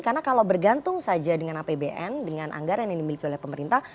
karena kalau bergantung saja dengan apbn dengan anggaran yang dimiliki oleh pemerintah